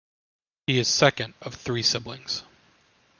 He is second of three siblings.